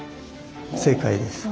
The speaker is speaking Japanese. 正解です。